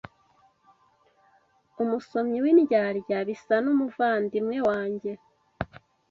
Umusomyi w'indyarya Bisa n,umuvandimwe wanjye